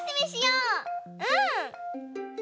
うん！